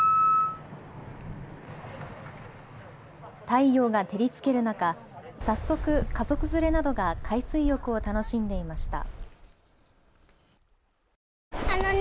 太陽が照りつける中、早速家族連れなどが海水浴を楽しんでいました。